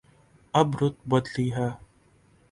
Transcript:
اب رت بدلی ہے۔